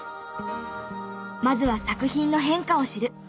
まずは作品の変化を知る。